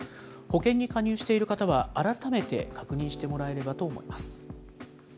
保険に加入している方は改めて確認してもらえればと思います。